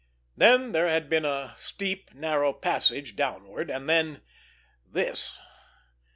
Then there had been a steep, narrow passage downward, and then—this.